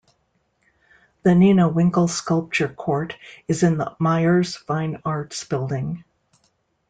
The Nina Winkel Sculpture Court is in the Myers Fine Arts Building.